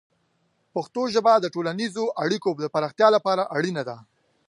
پښتو ژبه د ټولنیزو اړیکو د پراختیا لپاره اړینه ده.